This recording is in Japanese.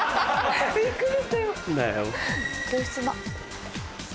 教室だ。